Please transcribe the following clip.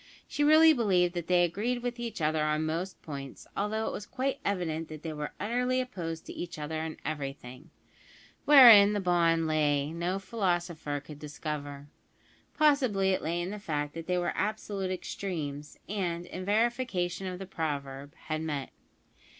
She really believed that they agreed with each other on most points, although it was quite evident that they were utterly opposed to each other in everything. Wherein the bond lay no philosopher could discover. Possibly it lay in the fact that they were absolute extremes, and, in verification of the proverb, had met.